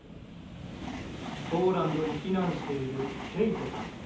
ポーランドに避難しているケイトさん。